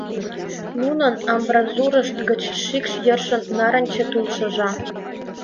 Нунын амбразурышт гыч шикш йӧршан нарынче тул шыжа.